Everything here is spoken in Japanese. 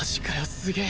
すげえ！